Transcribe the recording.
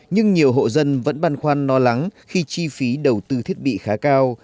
nhưng nhiều hộ dân vẫn băn khoăn lo lắng khi chi phí đầu tư thiết bị khá cao